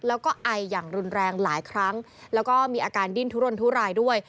แล้วก็ไออย่างรุนแรงหลายครั้งแล้วก็มีอาการดิ้นทุรนทุรายด้วย